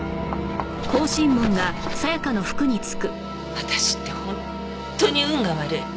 私って本当に運が悪い。